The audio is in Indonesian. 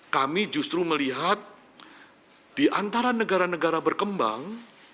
kami justru melihat di antara negara negara berkembang